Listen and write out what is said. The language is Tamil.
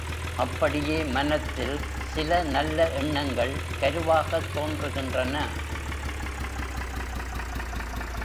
அப்படியே மனத்தில் சில நல்ல எண்ணங்கள் கருவாகத் தோன்றுகின்றன.